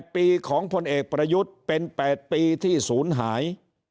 ๘ปีของพลเอกประยุทธ์เป็น๘ปีที่ศูนย์หาย